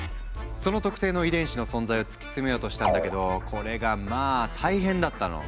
その特定の遺伝子の存在を突き詰めようとしたんだけどこれがまあ大変だったの。